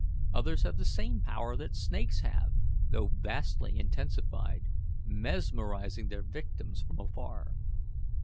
Others have the same power that snakes have, though vastly intensified, mesmerizing their victims from afar.